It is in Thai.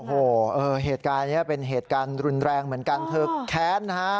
โอ้โหเหตุการณ์นี้เป็นเหตุการณ์รุนแรงเหมือนกันเธอแค้นนะฮะ